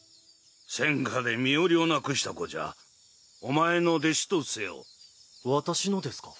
戦火で身寄りをなくした子じゃお前の弟子とせよ私のです